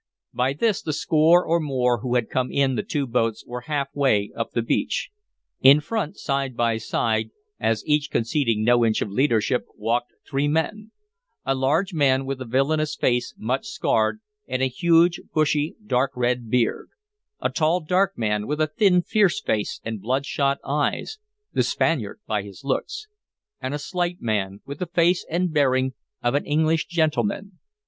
By this the score or more who had come in the two boats were halfway up the beach. In front, side by side, as each conceding no inch of leadership, walked three men: a large man, with a villainous face much scarred, and a huge, bushy, dark red beard; a tall dark man, with a thin fierce face and bloodshot eyes, the Spaniard by his looks; and a slight man, with the face and bearing of an English gentleman.